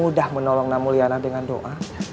mudah menolong namu liana dengan doa